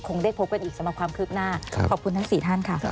คงได้พบกันอีกสำหรับความคืบหน้าขอบคุณทั้ง๔ท่านค่ะ